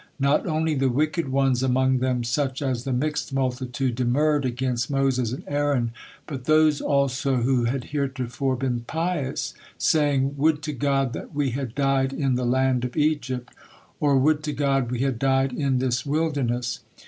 Not only the wicked ones among them such as the mixed multitude demurred against Moses and Aaron, but those also who had heretofore been pious, saying: "Would to God that we had died in the land of Egypt! Or would to God we had died in this wilderness!"